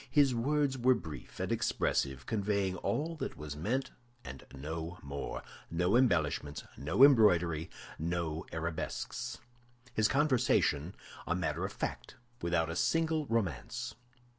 His words were brief and expressive, conveying all that was meant, and no more; no embellishments, no embroidery, no arabesques. His conversation was a matter of fact, without a single romance.